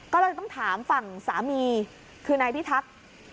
ก็เลยต้องถามฝั่งสามีคือนายพิทักษ์